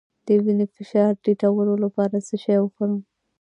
د وینې فشار ټیټولو لپاره څه شی وخورم؟